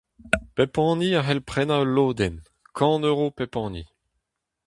Pep hini a c'hell prenañ ul lodenn, kant euro pep hini.